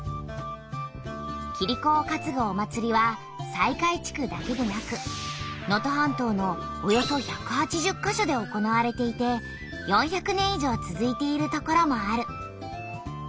キリコをかつぐお祭りは西海地区だけでなく能登半島のおよそ１８０か所で行われていて４００年以上つづいている所もある。